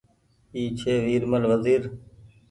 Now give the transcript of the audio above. اي ڇي ورمل وزير